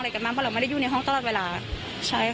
กันมากเพราะเราไม่ได้อยู่ในห้องตลอดเวลาใช่ค่ะ